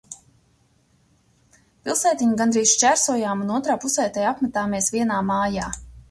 Pilsētiņu gandrīz šķērsojām un otrā pusē tai apmetāmies vienā mājā.